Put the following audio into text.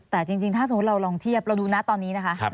แต่จริงถ้าเราลองเทียบมาดูหนักตอนนี้นะครับ